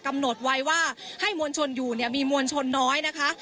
กำหนดไว้ว่าให้มวลชนอยู่เนี่ยมีมวลชนน้อยนะคะ